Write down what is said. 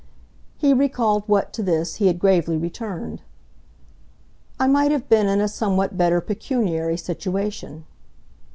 He recalled what, to this, he had gravely returned. "I might have been in a somewhat better pecuniary situation."